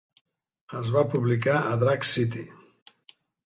Es va publicar a Drag City.